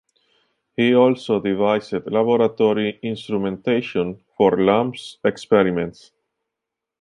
He also devised laboratory instrumentation for Lamb's experiments.